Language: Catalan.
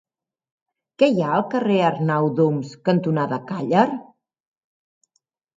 Què hi ha al carrer Arnau d'Oms cantonada Càller?